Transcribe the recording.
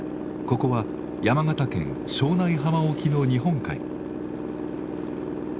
ここは山形県庄内浜沖の日本海。